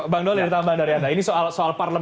bang do lihat tambahan dari anda